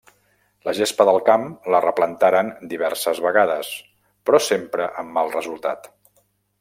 La gespa del camp la replantaren diverses vegades, però sempre amb mal resultat.